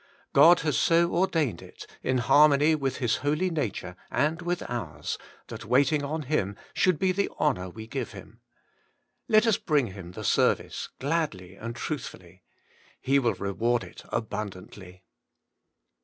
God has so ordained it, in harmony with His holy nature, and with ours, that waiting on Him should bo the honour we give Him Let WAITING ON GODt 118 bring Him the service gladly and trathfully ; He will reward it abundantly.